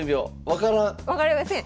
分かりません。